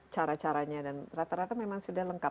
cara caranya dan rata rata memang sudah lengkap